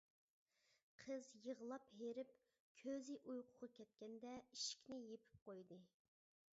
قىز يىغلاپ ھېرىپ، كۆزى ئۇيقۇغا كەتكەندە، ئىشىكنى يېپىپ قويدى.